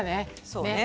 そうね。